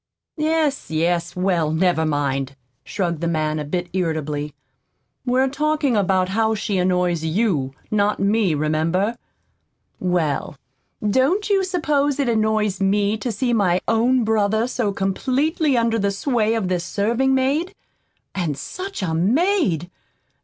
"Yes, yes; well, never mind," shrugged the man, a bit irritably. "We're talking about how she annoys YOU, not me, remember." "Well, don't you suppose it annoys me to see my own brother so completely under the sway of this serving maid? And such a maid!